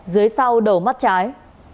dưới sau đầu mắt trái